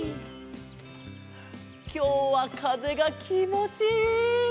きょうはかぜがきもちいい！